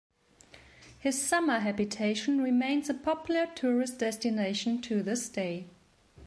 His summer habitation remains a popular tourist destination to this day.